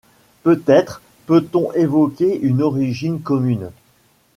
Peut-être peut-on évoquer une origine commune?